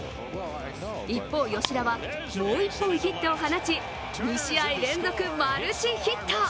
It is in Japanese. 一方、吉田はもう１本ヒットを放ち２試合連続マルチヒット。